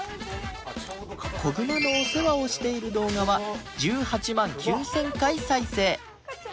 子グマのお世話をしている動画は１８万９０００回再生